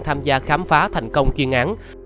tham gia khám phá thành công chuyên án